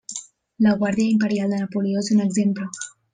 La Guàrdia Imperial de Napoleó és un exemple.